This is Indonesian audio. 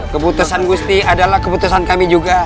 keputusan gusti adalah keputusan kami juga